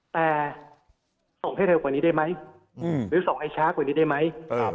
แต่ส่งให้เร็วกว่านี้ได้ไหมหรือส่งให้ช้ากว่านี้ได้ไหม